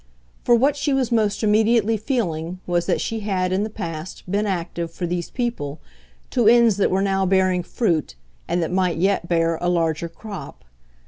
For what she was most immediately feeling was that she had, in the past, been active, for these people, to ends that were now bearing fruit and that might yet bear a larger crop.